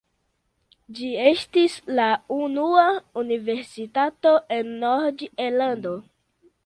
Ĝi estis la unua universitato en Nord-Irlando.